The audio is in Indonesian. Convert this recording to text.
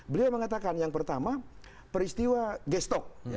beliau mengatakan yang pertama peristiwa gestok